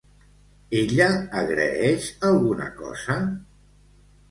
Ella agraeix alguna cosa?